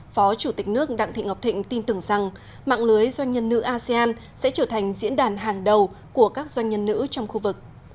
phó chủ tịch nước đặng thị ngọc thịnh tin tưởng rằng mạng lưới doanh nhân nữ asean sẽ trở thành diễn đàn hàng đầu của các doanh nhân nữ trong khu vực